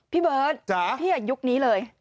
พี่เบิร์ตพี่ยุคนี้เลย